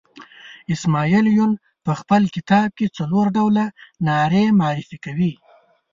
اسماعیل یون په خپل کتاب کې څلور ډوله نارې معرفي کوي.